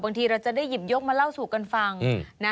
บางทีเราจะได้หยิบยกมาเล่าสู่กันฟังนะ